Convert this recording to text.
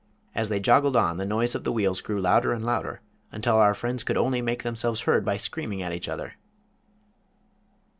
As they joggled on the noise of the wheels grew louder and louder, until our friends could only make themselves heard by screaming at each other.